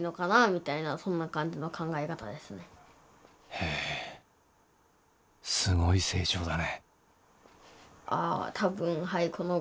へえすごい成長だね。